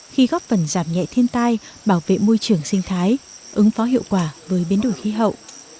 khi góp phần giảm nhẹ thiên tai bảo vệ môi trường sinh thái ứng phó hiệu quả với biến đổi khí hậu